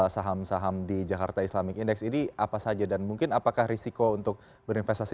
saham saham di jakarta islamic index ini apa saja dan mungkin apakah risiko untuk berinvestasi